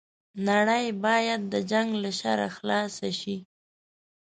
نړۍ بايد د جنګ له شره خلاصه شي